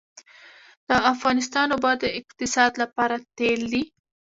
د افغانستان اوبه د اقتصاد لپاره تیل دي